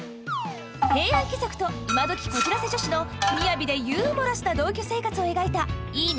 平安貴族と今どきこじらせ女子の雅でユーモラスな同居生活を描いた「いいね！